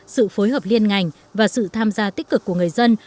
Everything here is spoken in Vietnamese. sự phối hợp liên ngành và sự tham gia tích cực của người dân